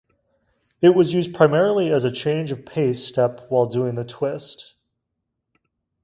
It was used primarily as a change of pace step while doing the Twist.